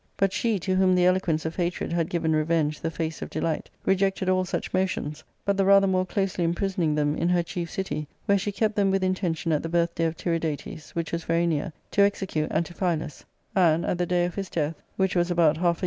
But she, to whom the eloquence of hatred had given revenge the iface of delight, rejected all such motions, but the rather more closely imprisoning them in her chief city, where she kept them with intention at the birthday of Tiridates, which was very near, to execute Anti philus, and at the day of his death, which was about half a ARCADIA,— Book 11.